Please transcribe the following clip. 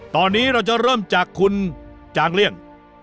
ตอนนี้เราจะเริ่มจากคุณจางเลี่ยง